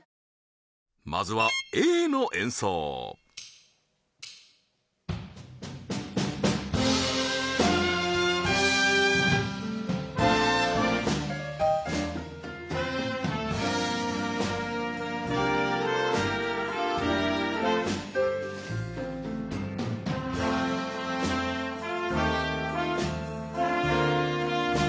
まずはＡの演奏さあ